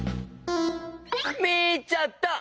みちゃった！